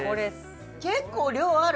結構量ある！